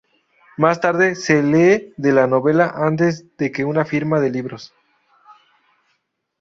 Más tarde se lee de la novela antes de que una firma de libros.